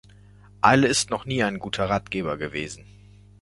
Eile ist noch nie ein guter Ratgeber gewesen.